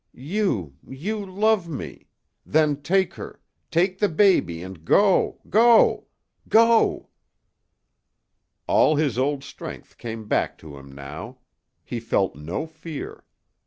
You you love me! Then take her take the baby and go go go!" All his old strength came back to him now. He felt no fear.